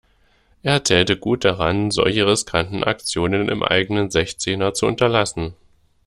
Er täte gut daran, solche riskanten Aktionen im eigenen Sechzehner zu unterlassen.